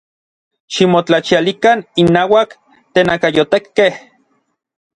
¡Ximotlachialikan innauak tenakayotekkej!